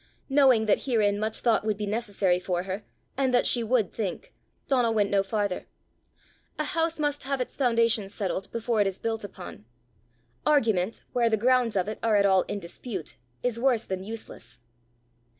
Knowing that herein much thought would be necessary for her, and that she would think, Donal went no farther: a house must have its foundation settled before it is built upon; argument where the grounds of it are at all in dispute is worse than useless.